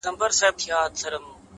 • سړي وویل کالیو ته مي ګوره,